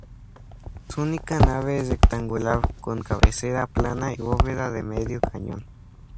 Su única nave es rectangular, con cabecera plana y bóveda de medio cañón.